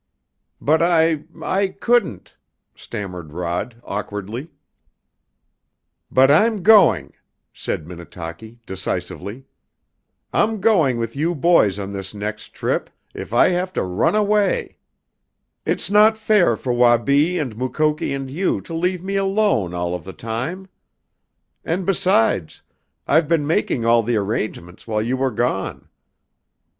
"But I I couldn't!" stammered Rod awkwardly. "But I'm going!" said Minnetaki decisively. "I'm going with you boys on this next trip if I have to run away! It's not fair for Wabi and Mukoki and you to leave me alone all of the time. And, besides, I've been making all the arrangements while you were gone.